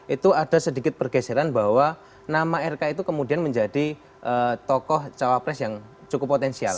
itu ada sedikit pergeseran bahwa nama rk itu kemudian menjadi tokoh cawapres yang cukup potensial